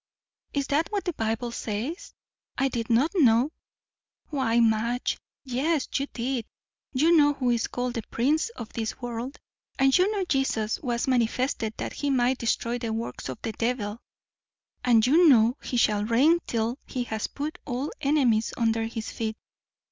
"Is that what the Bible says? I didn't know it." "Why, Madge, yes, you did. You know who is called the 'Prince of this world'; and you know Jesus 'was manifested that he might destroy the works of the devil'; and you know 'he shall reign till he has put all enemies under his feet.'